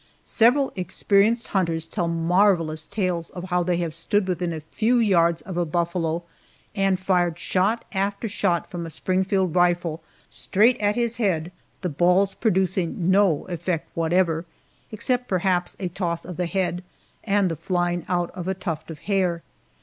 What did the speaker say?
Several experienced hunters tell marvelous tales of how they have stood within a few yards of a buffalo and fired shot after shot from a Springfield rifle, straight at his head, the balls producing no effect whatever, except, perhaps, a toss of the head and the flying out of a tuft of hair.